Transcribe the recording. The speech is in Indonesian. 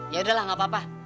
ya udahlah gak apa apa